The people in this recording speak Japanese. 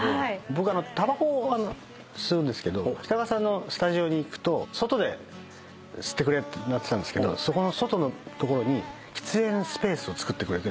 僕たばこ吸うんですけど北川さんスタジオに行くと外で吸ってくれってなってたけどそこの外の所に喫煙スペースを造ってくれて。